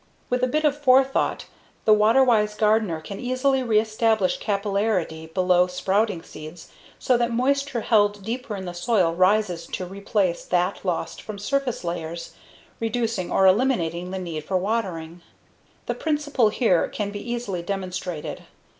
With a bit of forethought, the water wise gardener can easily reestablish capillarity below sprouting seeds so that moisture held deeper in the soil rises to replace that lost from surface layers, reducing or eliminating the need for watering. The principle here can be easily demonstrated.